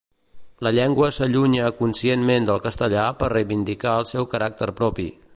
La llengua s'allunya conscientment del castellà per reivindicar el seu caràcter propi.